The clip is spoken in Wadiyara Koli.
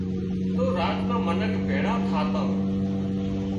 تو راچ نان منک ڀيۯان ٿاتان